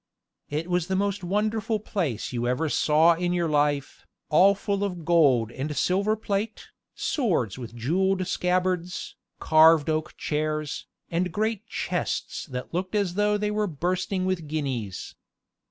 It was the most wonderful place you ever saw in your life, all full of gold and silver plate, swords with jeweled scabbards, carved oak chairs, and great chests that looked as though they were bursting with guineas.